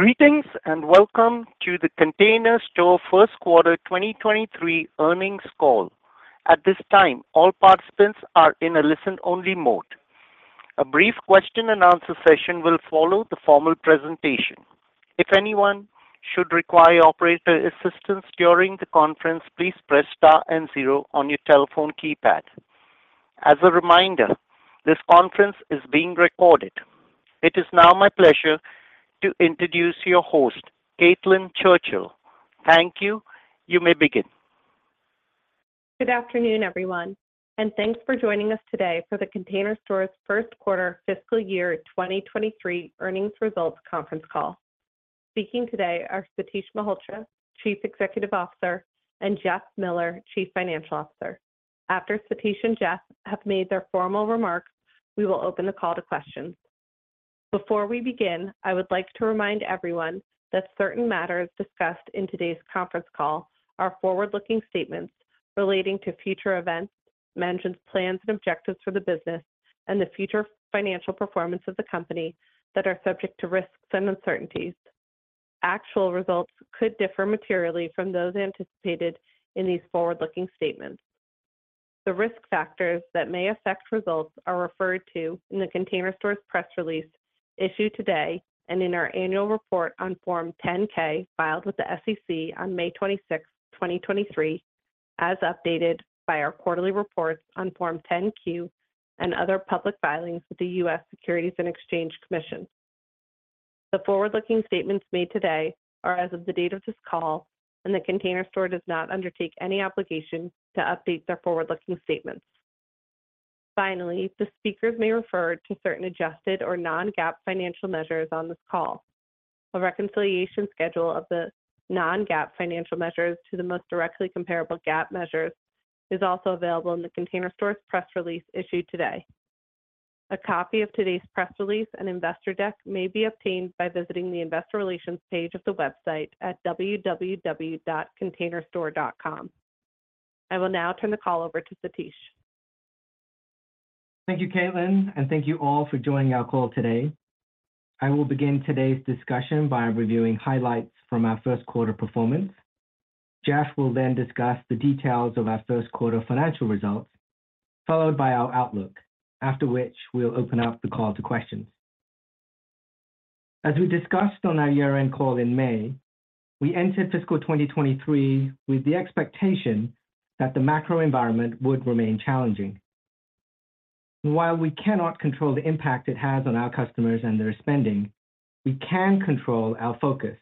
Greetings, and welcome to The Container Store First Quarter 2023 Earnings Call. At this time, all participants are in a listen-only mode. A brief question-and-answer session will follow the formal presentation. If anyone should require operator assistance during the conference, please press star and zero on your telephone keypad. As a reminder, this conference is being recorded. It is now my pleasure to introduce your host, Caitlin Churchill. Thank you. You may begin. Good afternoon, everyone, and thanks for joining us today for The Container Store's First Quarter Fiscal Year 2023 Earnings Results Conference Call. Speaking today are Satish Malhotra, Chief Executive Officer, and Jeff Miller, Chief Financial Officer. After Satish and Jeff have made their formal remarks, we will open the call to questions. Before we begin, I would like to remind everyone that certain matters discussed in today's conference call are forward-looking statements relating to future events, management's plans and objectives for the business, and the future financial performance of the company that are subject to risks and uncertainties. Actual results could differ materially from those anticipated in these forward-looking statements. The risk factors that may affect results are referred to in The Container Store's press release issued today and in our annual report on Form 10-K, filed with the SEC on May 26, 2023, as updated by our quarterly reports on Form 10-Q and other public filings with the U.S. Securities and Exchange Commission. The forward-looking statements made today are as of the date of this call. The Container Store does not undertake any obligation to update their forward-looking statements. Finally, the speakers may refer to certain adjusted or non-GAAP financial measures on this call. A reconciliation schedule of the non-GAAP financial measures to the most directly comparable GAAP measures is also available in The Container Store's press release issued today. A copy of today's press release and investor deck may be obtained by visiting the investor relations page of the website at containerstore.com. I will now turn the call over to Satish. Thank you, Caitlin, thank you all for joining our call today. I will begin today's discussion by reviewing highlights from our first quarter performance. Jeff will discuss the details of our first quarter financial results, followed by our outlook, after which we'll open up the call to questions. As we discussed on our year-end call in May, we entered fiscal 2023 with the expectation that the macro environment would remain challenging. While we cannot control the impact it has on our customers and their spending, we can control our focus,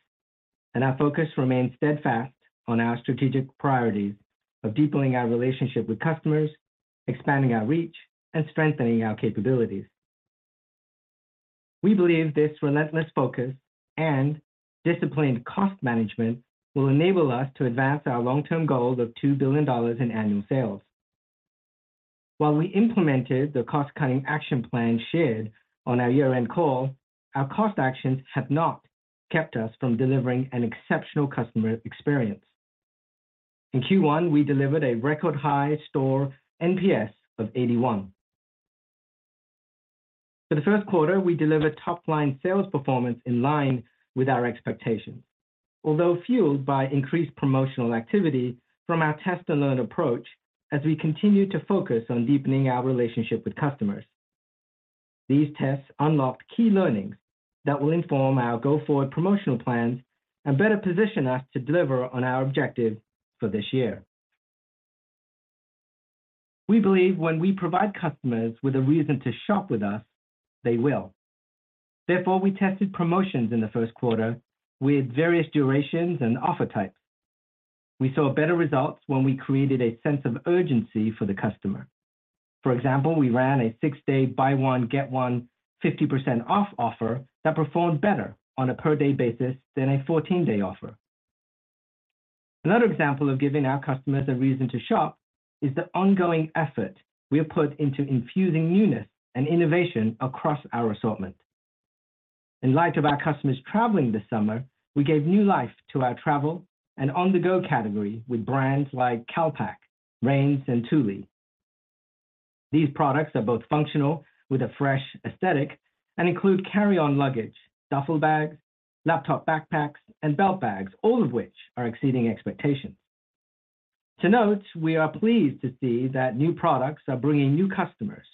our focus remains steadfast on our strategic priorities of deepening our relationship with customers, expanding our reach, and strengthening our capabilities. We believe this relentless focus and disciplined cost management will enable us to advance our long-term goal of $2 billion in annual sales. While we implemented the cost-cutting action plan shared on our year-end call, our cost actions have not kept us from delivering an exceptional customer experience. In Q1, we delivered a record-high store NPS of 81. For the first quarter, we delivered top-line sales performance in line with our expectations, although fueled by increased promotional activity from our test and learn approach as we continue to focus on deepening our relationship with customers. These tests unlocked key learnings that will inform our go-forward promotional plans and better position us to deliver on our objective for this year. We believe when we provide customers with a reason to shop with us, they will. Therefore, we tested promotions in the first quarter with various durations and offer types. We saw better results when we created a sense of urgency for the customer. For example, we ran a six-day, buy one, get one, 50% off offer that performed better on a per-day basis than a 14-day offer. Another example of giving our customers a reason to shop is the ongoing effort we have put into infusing newness and innovation across our assortment. In light of our customers traveling this summer, we gave new life to our travel and on-the-go category with brands like CALPAK, Rains, and Thule. These products are both functional with a fresh aesthetic and include carry-on luggage, duffel bags, laptop backpacks, and belt bags, all of which are exceeding expectations. To note, we are pleased to see that new products are bringing new customers.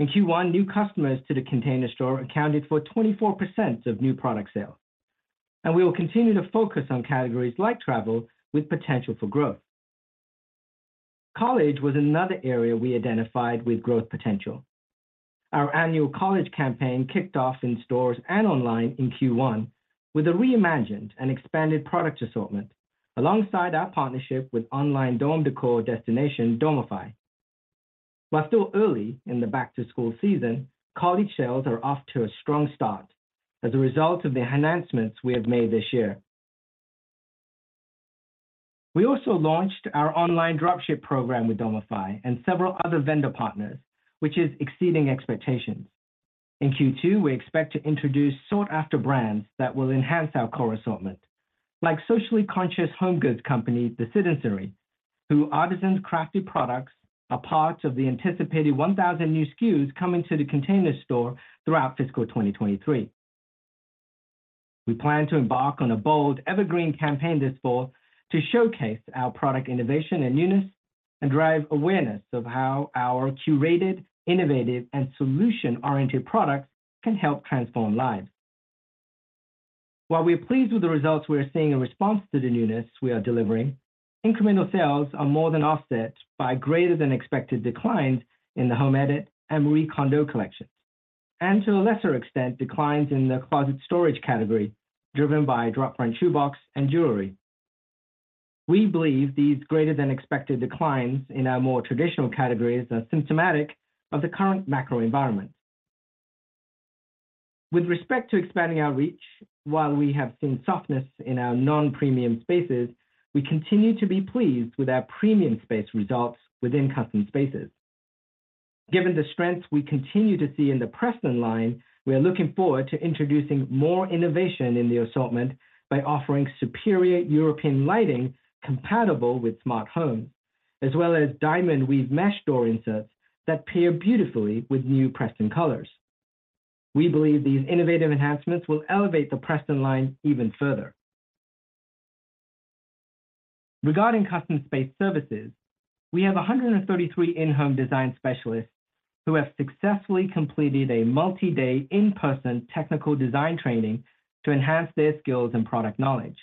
In Q1, new customers to The Container Store accounted for 24% of new product sales. We will continue to focus on categories like travel with potential for growth. College was another area we identified with growth potential. Our annual college campaign kicked off in stores and online in Q1 with a reimagined and expanded product assortment, alongside our partnership with online dorm decor destination, Dormify. While still early in the back-to-school season, college sales are off to a strong start as a result of the enhancements we have made this year. We also launched our online dropship program with Dormify and several other vendor partners, which is exceeding expectations. In Q2, we expect to introduce sought-after brands that will enhance our core assortment, like socially conscious home goods company, The Citizenry. Through Artisan's crafty products, are part of the anticipated 1,000 new SKUs coming to The Container Store throughout fiscal 2023. We plan to embark on a bold evergreen campaign this fall to showcase our product innovation and newness, and drive awareness of how our curated, innovative, and solution-oriented products can help transform lives. While we are pleased with the results we are seeing in response to the newness we are delivering, incremental sales are more than offset by greater than expected declines in The Home Edit and Marie Kondo collections. To a lesser extent, declines in the closet storage category, driven by drop front shoebox and jewelry. We believe these greater than expected declines in our more traditional categories are symptomatic of the current macro environment. With respect to expanding our reach, while we have seen softness in our non-premium spaces, we continue to be pleased with our premium space results within custom spaces. Given the strengths we continue to see in the Preston line, we are looking forward to introducing more innovation in the assortment by offering superior European lighting compatible with smart home, as well as diamond weave mesh door inserts that pair beautifully with new Preston colors. We believe these innovative enhancements will elevate the Preston line even further. Regarding custom space services, we have 133 in-home design specialists who have successfully completed a multi-day in-person technical design training to enhance their skills and product knowledge.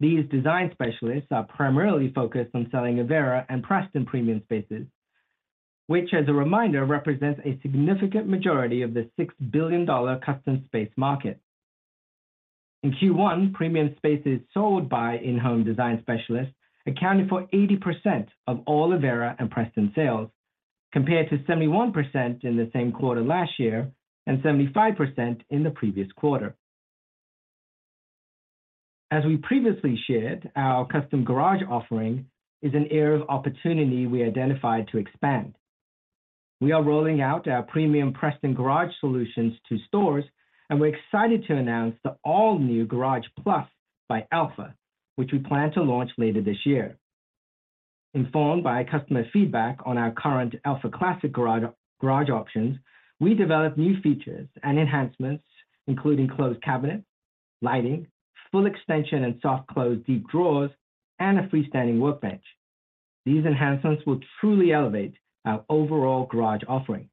These design specialists are primarily focused on selling Avera and Preston premium spaces, which, as a reminder, represents a significant majority of the $6 billion custom space market. In Q1, premium spaces sold by in-home design specialists accounted for 80% of all Avera and Preston sales, compared to 71% in the same quarter last year, and 75% in the previous quarter. As we previously shared, our custom garage offering is an area of opportunity we identified to expand. We are rolling out our premium Preston Garage solutions to stores. We're excited to announce the all-new Garage+ by Elfa, which we plan to launch later this year. Informed by customer feedback on our current Elfa Classic Garage, Garage options, we developed new features and enhancements, including closed cabinet, lighting, full extension and soft close deep drawers, and a freestanding workbench. These enhancements will truly elevate our overall garage offering.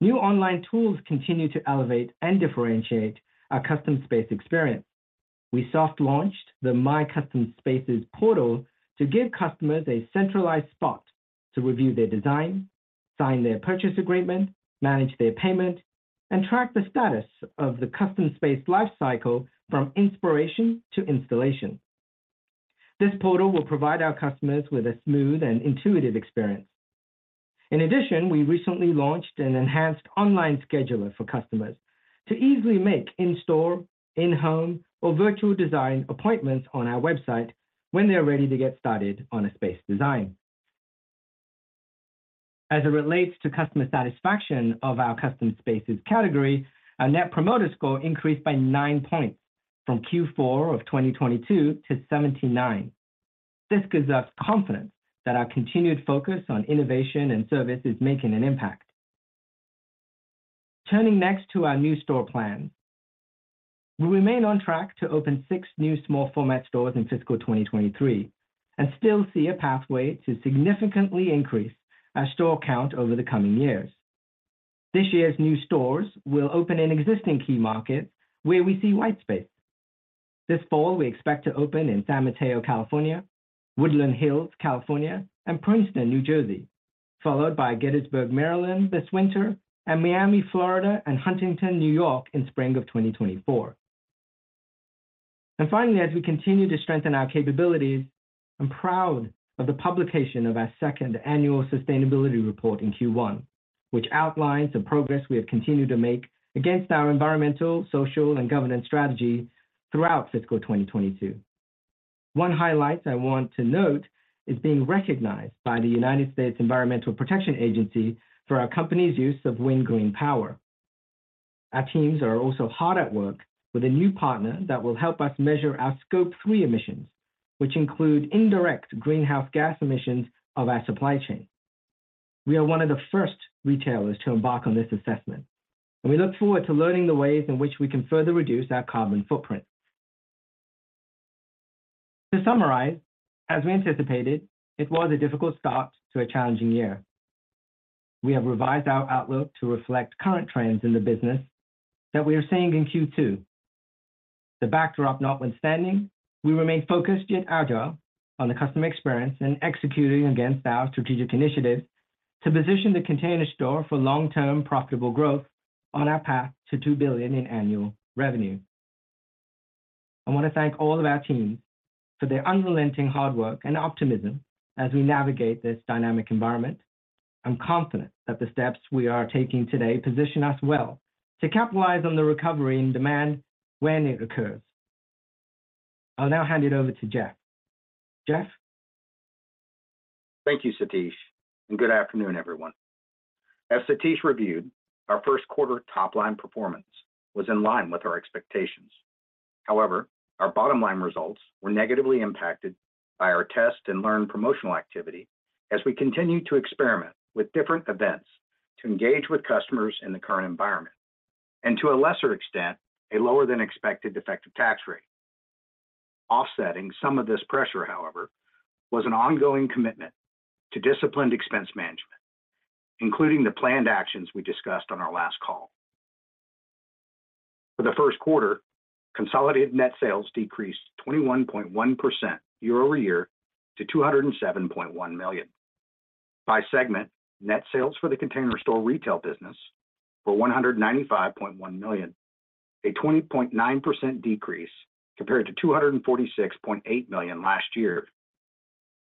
New online tools continue to elevate and differentiate our custom space experience. We soft launched the My Custom Spaces portal to give customers a centralized spot to review their design, sign their purchase agreement, manage their payment, and track the status of the custom space life cycle from inspiration to installation. This portal will provide our customers with a smooth and intuitive experience. We recently launched an enhanced online scheduler for customers to easily make in-store, in-home, or virtual design appointments on our website when they're ready to get started on a space design. As it relates to customer satisfaction of our custom spaces category, our Net Promoter Score increased by nine points from Q4 of 2022 to 79. This gives us confidence that our continued focus on innovation and service is making an impact. Turning next to our new store plan. We remain on track to open six new small format stores in fiscal 2023, still see a pathway to significantly increase our store count over the coming years. This year's new stores will open in existing key markets where we see white space. This fall, we expect to open in San Mateo, California, Woodland Hills, California, and Princeton, New Jersey, followed by Gaithersburg, Maryland, this winter, and Miami, Florida, and Huntington, New York, in spring of 2024. Finally, as we continue to strengthen our capabilities, I'm proud of the publication of our second annual sustainability report in Q1, which outlines the progress we have continued to make against our environmental, social, and governance strategy throughout fiscal 2022. One highlight I want to note is being recognized by the United States Environmental Protection Agency for our company's use of wind green power. Our teams are also hard at work with a new partner that will help us measure our Scope 3 emissions, which include indirect greenhouse gas emissions of our supply chain. We are one of the first retailers to embark on this assessment, and we look forward to learning the ways in which we can further reduce our carbon footprint. To summarize, as we anticipated, it was a difficult start to a challenging year. We have revised our outlook to reflect current trends in the business that we are seeing in Q2. The backdrop notwithstanding, we remain focused, yet agile on the customer experience and executing against our strategic initiatives to position The Container Store for long-term profitable growth on our path to $2 billion in annual revenue. I want to thank all of our teams for their unrelenting hard work and optimism as we navigate this dynamic environment. I'm confident that the steps we are taking today position us well to capitalize on the recovery and demand when it occurs. I'll now hand it over to Jeff. Jeff? Thank you, Satish, and good afternoon, everyone. As Satish reviewed, our first quarter top-line performance was in line with our expectations. However, our bottom-line results were negatively impacted by our test and learn promotional activity as we continue to experiment with different events to engage with customers in the current environment, and to a lesser extent, a lower-than-expected effective tax rate. Offsetting some of this pressure, however, was an ongoing commitment to disciplined expense management, including the planned actions we discussed on our last call. For the first quarter, consolidated net sales decreased 21.1% year-over-year to $207.1 million. By segment, net sales for The Container Store retail business were $195.1 million, a 20.9% decrease compared to $246.8 million last year.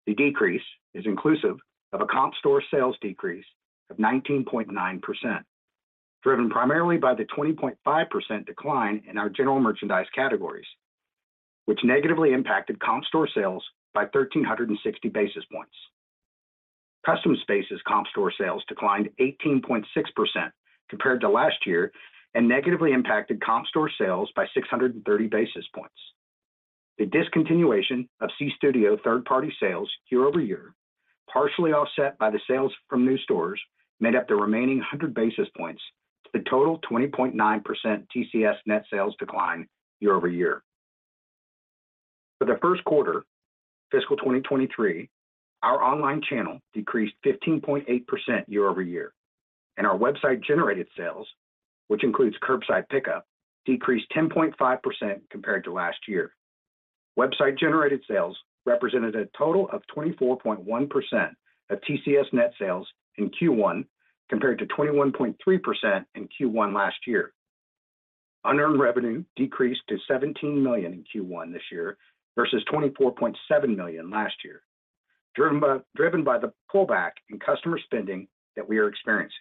The decrease is inclusive of a comparable store sales decrease of 19.9%, driven primarily by the 20.5% decline in our general merchandise categories, which negatively impacted comparable store sales by 1,360 basis points. Custom Spaces comparable store sales declined 18.6% compared to last year and negatively impacted comparable store sales by 630 basis points. The discontinuation of C Studio third-party sales year-over-year, partially offset by the sales from new stores, made up the remaining 100 basis points to the total 20.9% TCS net sales decline year-over-year. For the first quarter, fiscal 2023, our online channel decreased 15.8% year-over-year, and our website-generated sales, which includes curbside pickup, decreased 10.5% compared to last year. Website-generated sales represented a total of 24.1% of TCS net sales in Q1, compared to 21.3% in Q1 last year. Unearned revenue decreased to $17 million in Q1 this year versus $24.7 million last year, driven by the pullback in customer spending that we are experiencing.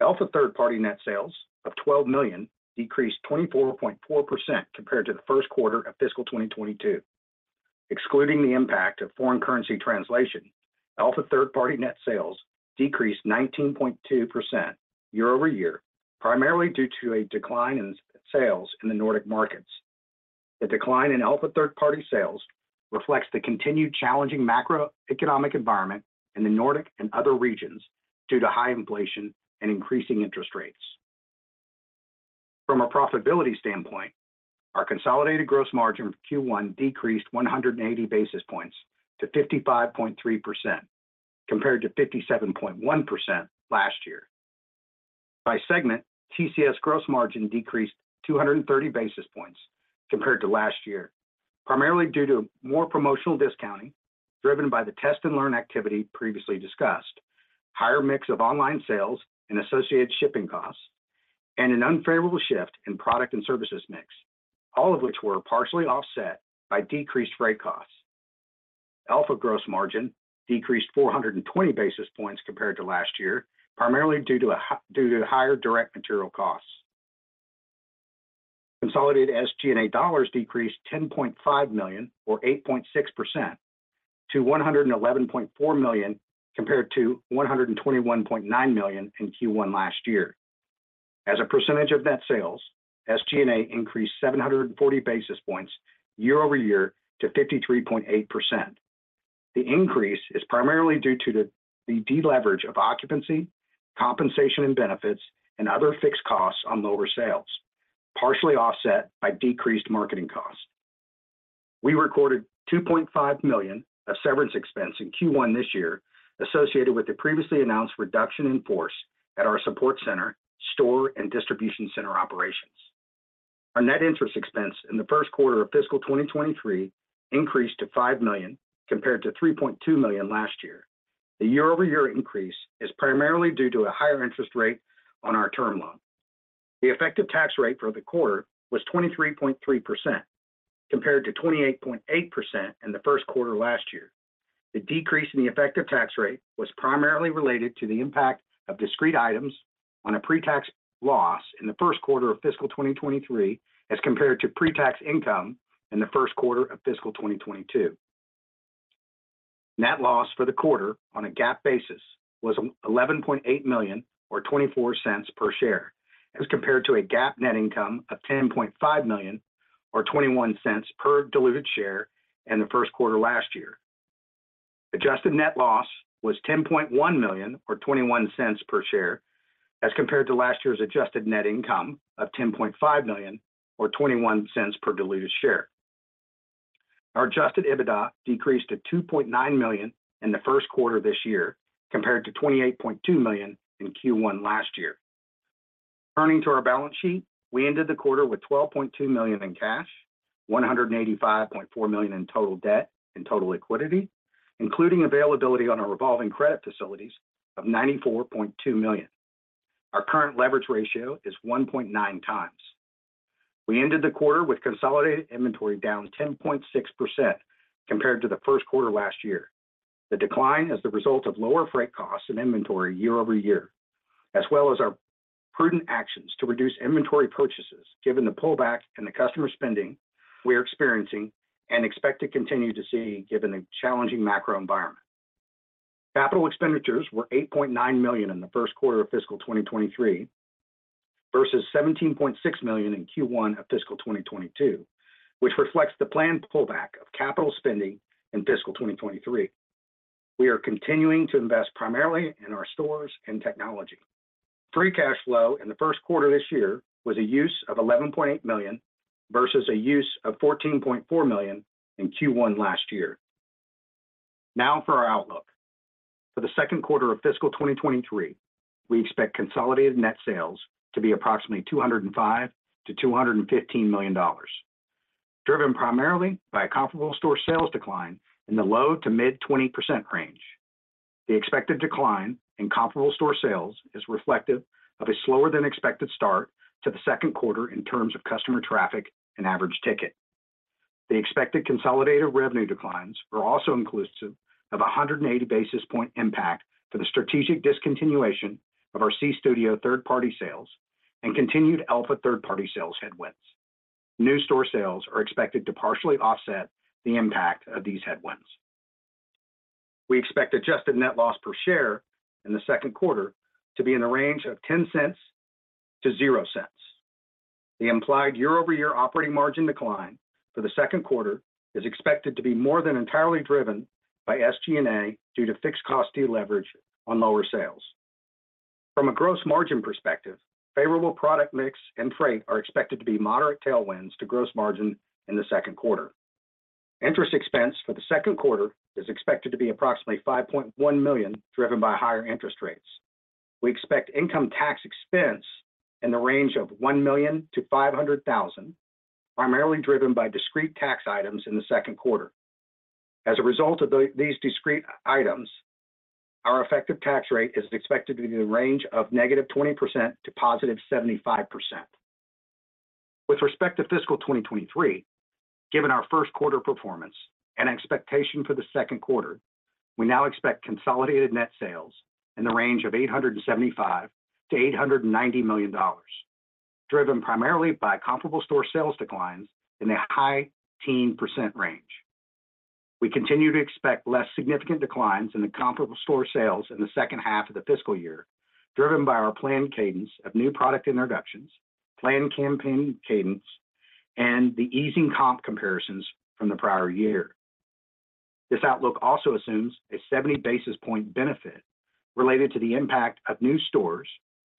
Elfa third-party net sales of $12 million decreased 24.4% compared to the first quarter of fiscal 2022. Excluding the impact of foreign currency translation, Elfa third-party net sales decreased 19.2% year-over-year, primarily due to a decline in sales in the Nordic markets. The decline in Elfa third-party sales reflects the continued challenging macroeconomic environment in the Nordic and other regions due to high inflation and increasing interest rates. From a profitability standpoint, our consolidated gross margin for Q1 decreased 180 basis points to 55.3%, compared to 57.1% last year. By segment, TCS gross margin decreased 230 basis points compared to last year, primarily due to more promotional discounting, driven by the test-and-learn activity previously discussed, higher mix of online sales and associated shipping costs, and an unfavorable shift in product and services mix, all of which were partially offset by decreased freight costs. Elfa gross margin decreased 420 basis points compared to last year, primarily due to higher direct material costs. Consolidated SG&A dollars decreased $10.5 million, or 8.6%, to $111.4 million, compared to $121.9 million in Q1 last year. As a percentage of net sales, SG&A increased 740 basis points year-over-year to 53.8%. The increase is primarily due to the deleverage of occupancy, compensation and benefits, and other fixed costs on lower sales, partially offset by decreased marketing costs. We recorded $2.5 million of severance expense in Q1 this year, associated with the previously announced reduction in force at our support center, store, and distribution center operations. Our net interest expense in the first quarter of fiscal 2023 increased to $5 million, compared to $3.2 million last year. The year-over-year increase is primarily due to a higher interest rate on our term loan. The effective tax rate for the quarter was 23.3%, compared to 28.8% in the first quarter last year. The decrease in the effective tax rate was primarily related to the impact of discrete items on a pre-tax loss in the first quarter of fiscal 2023, as compared to pre-tax income in the first quarter of fiscal 2022. Net loss for the quarter on a GAAP basis was $11.8 million, or $0.24 per share, as compared to a GAAP net income of $10.5 million, or $0.21 per diluted share in the first quarter last year. Adjusted net loss was $10.1 million, or $0.21 per share, as compared to last year's adjusted net income of $10.5 million, or $0.21 per diluted share. Our adjusted EBITDA decreased to $2.9 million in the first quarter this year, compared to $28.2 million in Q1 last year. Turning to our balance sheet, we ended the quarter with $12.2 million in cash, $185.4 million in total debt and total liquidity, including availability on our revolving credit facilities of $94.2 million. Our current leverage ratio is 1.9x. We ended the quarter with consolidated inventory down 10.6% compared to the first quarter last year. The decline is the result of lower freight costs and inventory year-over-year, as well as prudent actions to reduce inventory purchases, given the pullback in the customer spending we are experiencing and expect to continue to see, given the challenging macro environment. Capital expenditures were $8.9 million in the first quarter of fiscal 2023, versus $17.6 million in Q1 of fiscal 2022, which reflects the planned pullback of capital spending in fiscal 2023. We are continuing to invest primarily in our stores and technology. Free cash flow in the first quarter this year was a use of $11.8 million, versus a use of $14.4 million in Q1 last year. For our outlook. For the second quarter of fiscal 2023, we expect consolidated net sales to be approximately $205 million-$215 million, driven primarily by a comparable store sales decline in the low to mid 20% range. The expected decline in comparable store sales is reflective of a slower than expected start to the second quarter in terms of customer traffic and average ticket. The expected consolidated revenue declines are also inclusive of a 180 basis points impact for the strategic discontinuation of our C Studio third-party sales and continued Elfa third-party sales headwinds. New store sales are expected to partially offset the impact of these headwinds. We expect adjusted net loss per share in the second quarter to be in the range of $0.10-$0.00. The implied year-over-year operating margin decline for the second quarter is expected to be more than entirely driven by SG&A, due to fixed cost deleverage on lower sales. From a gross margin perspective, favorable product mix and freight are expected to be moderate tailwinds to gross margin in the second quarter. Interest expense for the second quarter is expected to be approximately $5.1 million, driven by higher interest rates. We expect income tax expense in the range of $1 million-$500,000, primarily driven by discrete tax items in the second quarter. As a result of these discrete items, our effective tax rate is expected to be in the range of -20%-+75%. With respect to fiscal 2023, given our first quarter performance and expectation for the second quarter, we now expect consolidated net sales in the range of $875 million-$890 million, driven primarily by comparable store sales declines in the high teen % range. We continue to expect less significant declines in the comparable store sales in the second half of the fiscal year, driven by our planned cadence of new product introductions, planned campaign cadence, and the easing comp comparisons from the prior year. This outlook also assumes a 70 basis point benefit related to the impact of new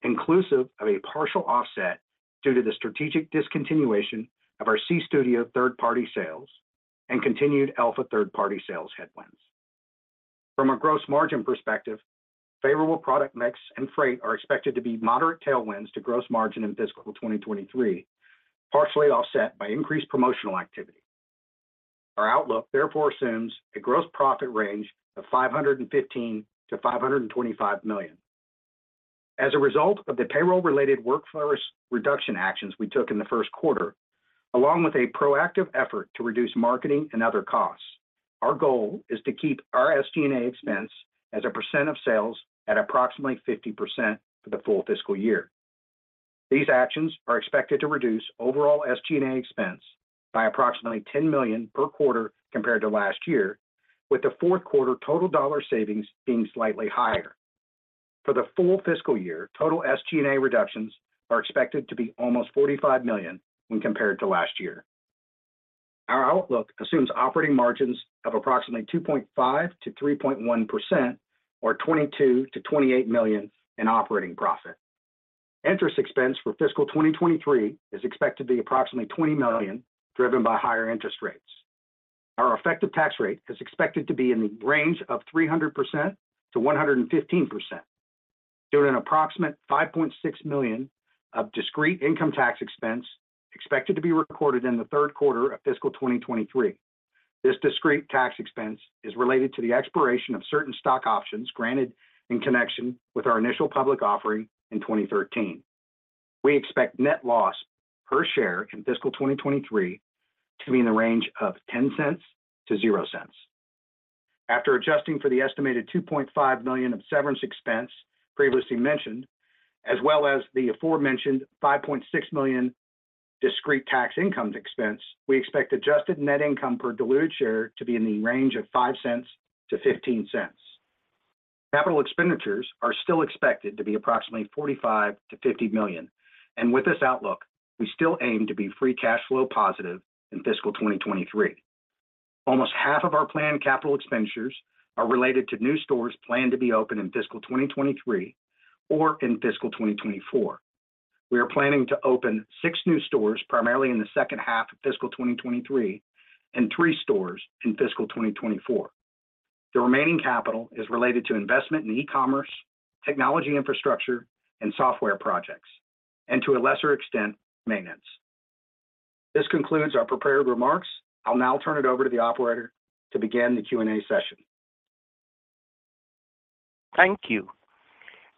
stores, inclusive of a partial offset due to the strategic discontinuation of our C Studio third-party sales and continued Elfa third-party sales headwinds. From a gross margin perspective, favorable product mix and freight are expected to be moderate tailwinds to gross margin in fiscal 2023, partially offset by increased promotional activity. Our outlook therefore assumes a gross profit range of $515 million-$525 million. As a result of the payroll-related workforce reduction actions we took in the first quarter, along with a proactive effort to reduce marketing and other costs, our goal is to keep our SG&A expense as a percent of sales at approximately 50% for the full fiscal year. These actions are expected to reduce overall SG&A expense by approximately $10 million per quarter compared to last year, with the fourth quarter total dollar savings being slightly higher. For the full fiscal year, total SG&A reductions are expected to be almost $45 million when compared to last year. Our outlook assumes operating margins of approximately 2.5%-3.1% or $22 million-$28 million in operating profit. Interest expense for fiscal 2023 is expected to be approximately $20 million, driven by higher interest rates. Our effective tax rate is expected to be in the range of 300%-115%, due to an approximate $5.6 million of discrete income tax expense expected to be recorded in the third quarter of fiscal 2023. This discrete tax expense is related to the expiration of certain stock options granted in connection with our initial public offering in 2013. We expect net loss per share in fiscal 2023 to be in the range of $0.10-$0.00. After adjusting for the estimated $2.5 million of severance expense previously mentioned, as well as the aforementioned $5.6 million discrete tax income expense, we expect adjusted net income per diluted share to be in the range of $0.05-$0.15. Capital expenditures are still expected to be approximately $45 million-$50 million, and with this outlook, we still aim to be free cash flow positive in fiscal 2023. Almost half of our planned capital expenditures are related to new stores planned to be open in fiscal 2023 or in fiscal 2024. We are planning to open six new stores, primarily in the second half of fiscal 2023, and three stores in fiscal 2024. The remaining capital is related to investment in e-commerce, technology infrastructure, and software projects, and to a lesser extent, maintenance. This concludes our prepared remarks. I'll now turn it over to the operator to begin the Q&A session. Thank you.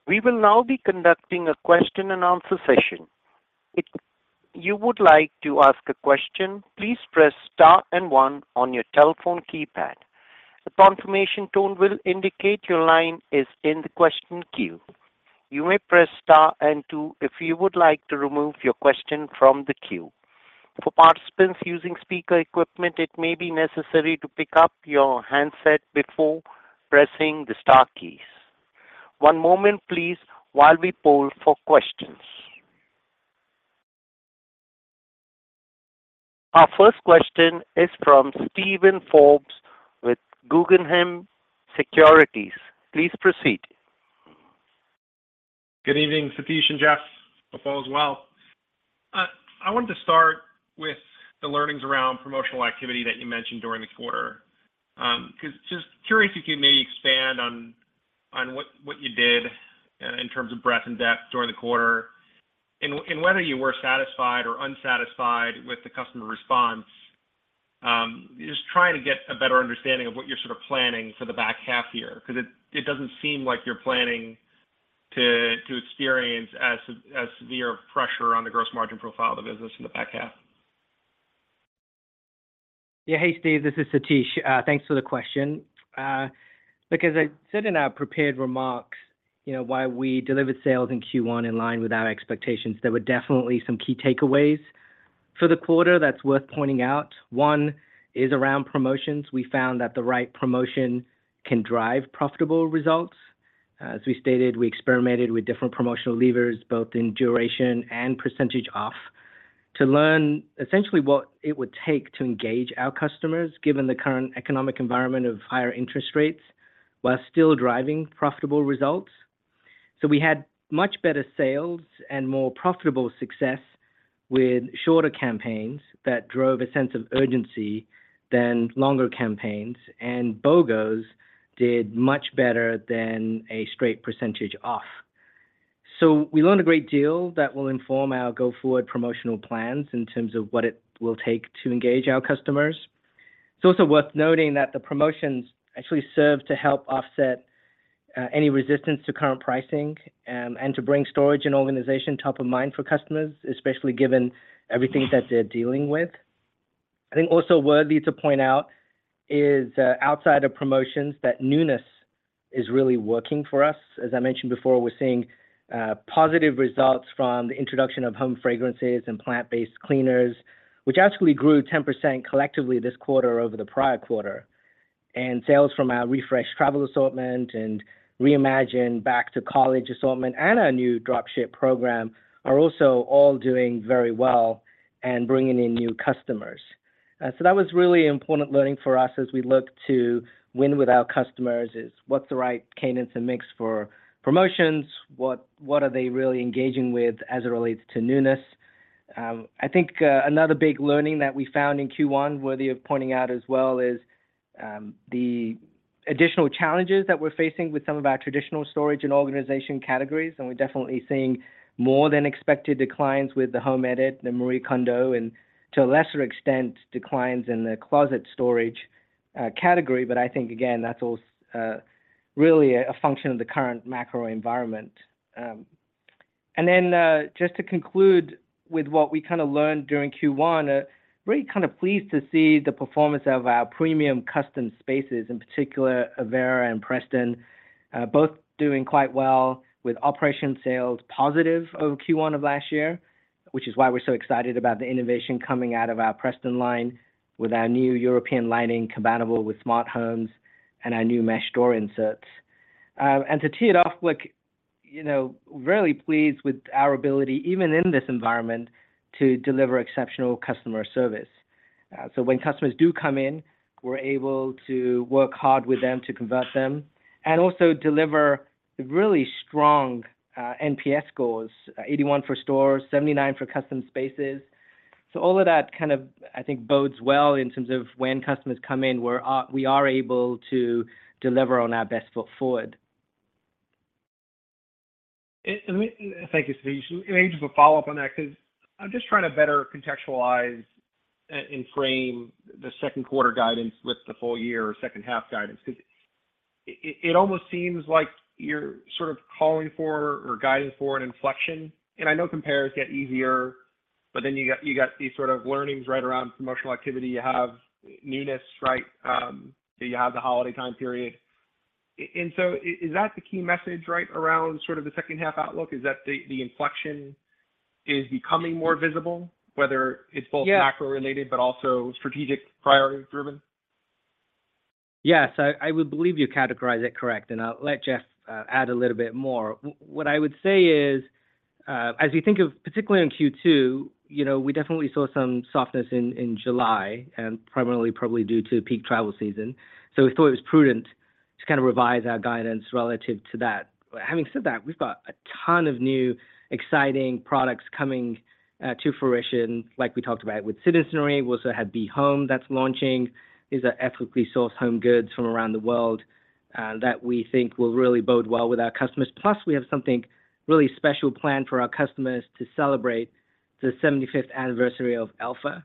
We will now be conducting a question-and-answer session. If you would like to ask a question, please press star and one on your telephone keypad. A confirmation tone will indicate your line is in the question queue. You may press star and two if you would like to remove your question from the queue. For participants using speaker equipment, it may be necessary to pick up your handset before pressing the star keys. One moment, please, while we poll for questions. Our first question is from Steven Forbes with Guggenheim Securities. Please proceed. Good evening, Satish and Jeff. Hope all is well. I wanted to start with the learnings around promotional activity that you mentioned during the quarter. 'Cause just curious if you may expand on, on what, what you did in terms of breadth and depth during the quarter, and whether you were satisfied or unsatisfied with the customer response? Just trying to get a better understanding of what you're sort of planning for the back half year, 'cause it, it doesn't seem like you're planning to, to experience as, as severe pressure on the gross margin profile of the business in the back half. Yeah. Hey, Steven, this is Satish. Thanks for the question. Look, as I said in our prepared remarks, you know, while we delivered sales in Q1 in line with our expectations, there were definitely some key takeaways for the quarter that's worth pointing out. One is around promotions. We found that the right promotion can drive profitable results. As we stated, we experimented with different promotional levers, both in duration and percentage off, to learn essentially what it would take to engage our customers, given the current economic environment of higher interest rates, while still driving profitable results. We had much better sales and more profitable success with shorter campaigns that drove a sense of urgency than longer campaigns. BOGOs did much better than a straight percentage off. We learned a great deal that will inform our go-forward promotional plans in terms of what it will take to engage our customers. It's also worth noting that the promotions actually served to help offset any resistance to current pricing and to bring storage and organization top of mind for customers, especially given everything that they're dealing with. I think also worthy to point out is, outside of promotions, that newness is really working for us. As I mentioned before, we're seeing positive results from the introduction of home fragrances and plant-based cleaners, which actually grew 10% collectively this quarter over the prior quarter. Sales from our refreshed travel assortment and reimagined back-to-college assortment and our new dropship program are also all doing very well and bringing in new customers. That was really important learning for us as we look to win with our customers, is what's the right cadence and mix for promotions? What, what are they really engaging with as it relates to newness? I think another big learning that we found in Q1, worthy of pointing out as well, is the additional challenges that we're facing with some of our traditional storage and organization categories. We're definitely seeing more than expected declines with The Home Edit, the Marie Kondo, and to a lesser extent, declines in the closet storage category. I think, again, that's really a function of the current macro environment. Just to conclude with what we kinda learned during Q1, really kind of pleased to see the performance of our premium custom spaces, in particular, Avera and Preston, both doing quite well with operating sales positive over Q1 of last year, which is why we're so excited about the innovation coming out of our Preston line with our new European lighting, compatible with smart homes and our new mesh door inserts. To tee it off, look, you know, really pleased with our ability, even in this environment, to deliver exceptional customer service. When customers do come in, we're able to work hard with them to convert them and also deliver really strong, NPS scores, 81 for stores, 79 for custom spaces. All of that kind of, I think, bodes well in terms of when customers come in, we are able to deliver on our best foot forward. Thank you, Satish. Just a follow-up on that, 'cause I'm just trying to better contextualize and frame the second quarter guidance with the full year or second half guidance. Cause it, it, it almost seems like you're sort of calling for or guiding for an inflection. I know compares get easier, but then you got, you got these sort of learnings right around promotional activity. You have newness, right? You have the holiday time period. So is that the key message, right around sort of the second half outlook, is that the, the inflection is becoming more visible, whether it's both. Yeah Macro-related but also strategic priority driven? Yes. I, I would believe you categorize it correct, and I'll let Jeff add a little bit more. What I would say is, as we think of, particularly on Q2, you know, we definitely saw some softness in, in July, and primarily probably due to peak travel season, so we thought it was prudent to kind of revise our guidance relative to that. Having said that, we've got a ton of new exciting products coming to fruition, like we talked about with The Citizenry. We also have Be Home that's launching. These are ethically sourced home goods from around the world, that we think will really bode well with our customers. Plus, we have something really special planned for our customers to celebrate the 75th anniversary of Elfa.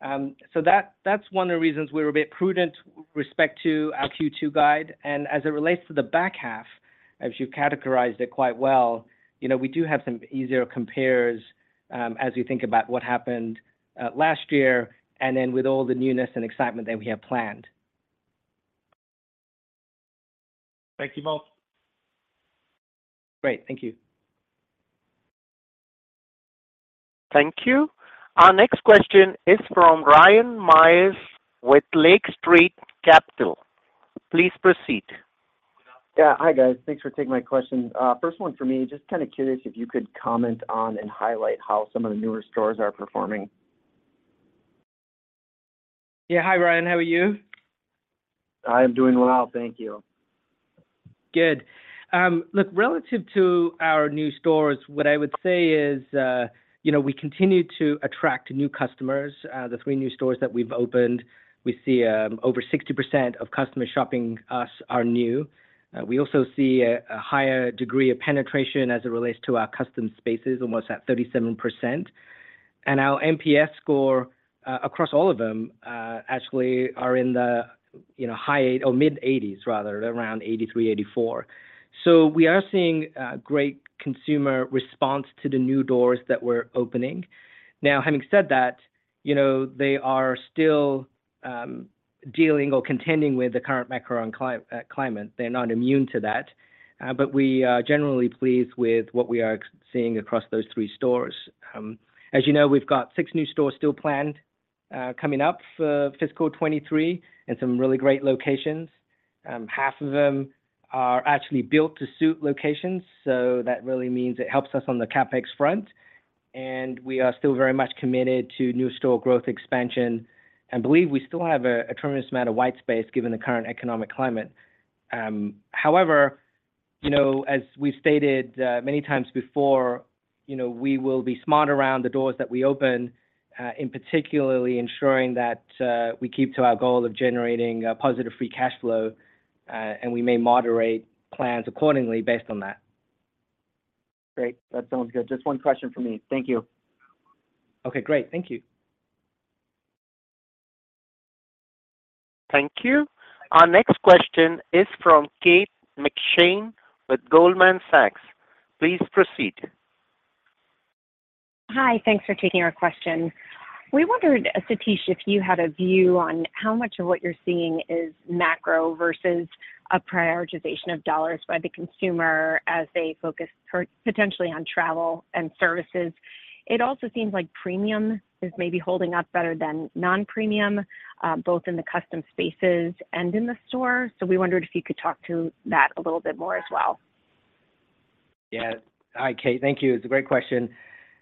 That, that's one of the reasons we were a bit prudent with respect to our Q2 guide. As it relates to the back half, as you've categorized it quite well, you know, we do have some easier compares, as we think about what happened last year, and then with all the newness and excitement that we have planned. Thank you both. Great. Thank you. Thank you. Our next question is from Ryan Myers with Lake Street Capital. Please proceed. Yeah. Hi, guys. Thanks for taking my question. First one for me, just kind of curious if you could comment on and highlight how some of the newer stores are performing. Yeah. Hi, Ryan. How are you? I am doing well, thank you. Good. Look, relative to our new stores, what I would say is, you know, we continue to attract new customers. The three new stores that we've opened, we see over 60% of customers shopping us are new. We also see a higher degree of penetration as it relates to our custom spaces, almost at 37%. Our NPS score, across all of them, actually are in the, you know, high- or mid-80s, rather, around 83, 84. We are seeing great consumer response to the new doors that we're opening. Now, having said that, you know, they are still dealing or contending with the current macro and climate. They're not immune to that, but we are generally pleased with what we are seeing across those three stores. As you know, we've got six new stores still planned, coming up for fiscal 2023, and some really great locations. Half of them are actually built to suit locations, so that really means it helps us on the CapEx front, and we are still very much committed to new store growth expansion and believe we still have a, a tremendous amount of white space given the current economic climate. However, you know, as we've stated many times before, you know, we will be smart around the doors that we open, in particularly ensuring that we keep to our goal of generating positive free cash flow, and we may moderate plans accordingly based on that. Great. That sounds good. Just one question for me. Thank you. Okay, great. Thank you. Thank you. Our next question is from Kate McShane with Goldman Sachs. Please proceed. Hi. Thanks for taking our question. We wondered, Satish, if you had a view on how much of what you're seeing is macro versus a prioritization of dollars by the consumer as they focus potentially on travel and services. It also seems like premium is maybe holding up better than non-premium, both in the custom spaces and in the store. We wondered if you could talk to that a little bit more as well. Yeah. Hi, Kate. Thank you. It's a great question.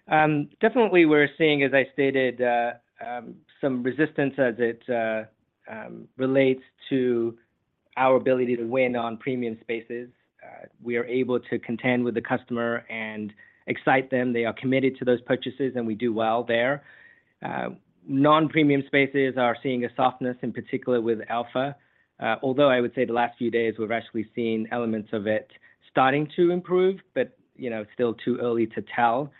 Definitely we're seeing, as I stated, some resistance as it relates to our ability to win on premium spaces. We are able to contend with the customer and excite them. They are committed to those purchases. We do well there. Non-premium spaces are seeing a softness, in particular with Elfa. Although I would say the last few days, we've actually seen elements of it starting to improve. You know, still too early to tell.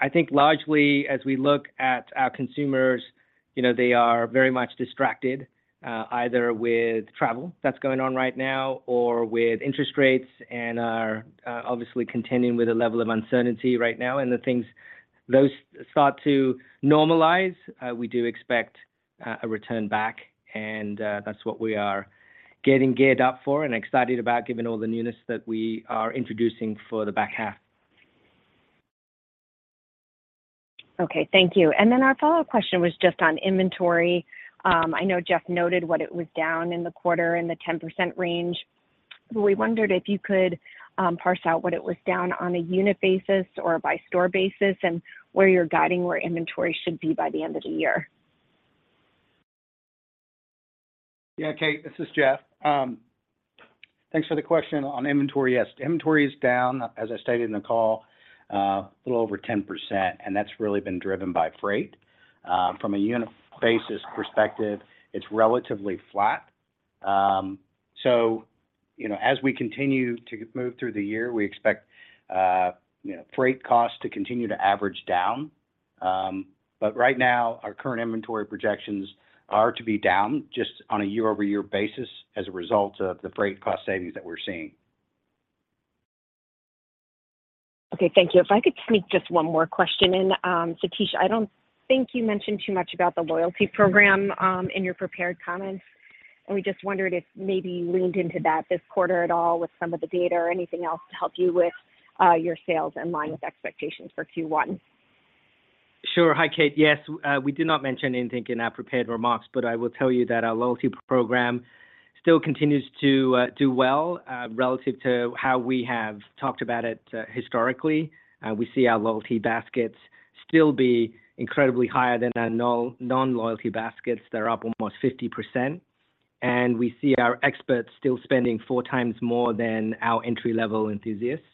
I think largely as we look at our consumers, you know, they are very much distracted, either with travel that's going on right now or with interest rates and are obviously contending with a level of uncertainty right now. The things, those start to normalize, we do expect a return back, and that's what we are getting geared up for and excited about, given all the newness that we are introducing for the back half. Okay. Thank you. Then our follow-up question was just on inventory. I know Jeff noted what it was down in the quarter in the 10% range, but we wondered if you could parse out what it was down on a unit basis or a by store basis, and where you're guiding where inventory should be by the end of the year. Yeah, Kate, this is Jeff. Thanks for the question on inventory. Yes, inventory is down, as I stated in the call, a little over 10%. That's really been driven by freight. From a unit basis perspective, it's relatively flat. You know, as we continue to move through the year, we expect, you know, freight costs to continue to average down. Right now, our current inventory projections are to be down just on a year-over-year basis as a result of the freight cost savings that we're seeing. Okay, thank you. If I could sneak just one more question in, Satish, I don't think you mentioned too much about the loyalty program, in your prepared comments, and we just wondered if maybe you leaned into that this quarter at all with some of the data or anything else to help you with, your sales in line with expectations for Q1? Sure. Hi, Kate. Yes, we did not mention anything in our prepared remarks, but I will tell you that our loyalty program still continues to do well relative to how we have talked about it historically. We see our loyalty baskets still be incredibly higher than our non-loyalty baskets. They're up almost 50%, and we see our experts still spending 4x more than our entry-level enthusiasts.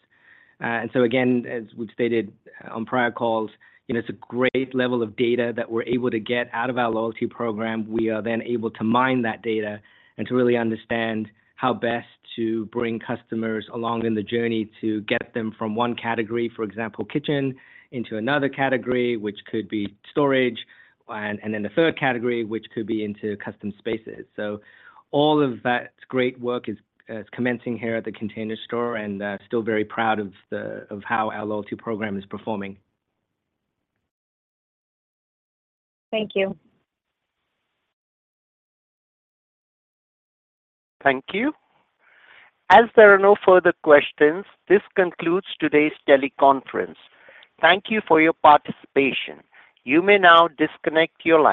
So again, as we've stated on prior calls, you know, it's a great level of data that we're able to get out of our loyalty program. We are then able to mine that data and to really understand how best to bring customers along in the journey to get them from one category, for example, kitchen, into another category, which could be storage, and, and then the third category, which could be into custom spaces. All of that great work is, is commencing here at The Container Store, and still very proud of how our loyalty program is performing. Thank you. Thank you. As there are no further questions, this concludes today's teleconference. Thank you for your participation. You may now disconnect.